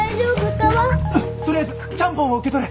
取りあえずちゃんぽんを受け取れ。